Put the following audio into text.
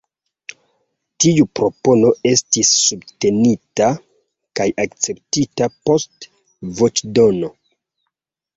Tiu propono estis subtenita kaj akceptita post voĉdono.